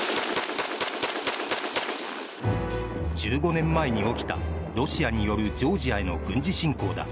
１５年前に起きたロシアによるジョージアへの軍事侵攻だ。